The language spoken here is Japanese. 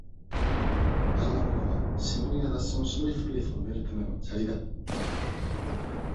あんな物は、新聞や雑誌の白いスペースを埋めるための砂利だ。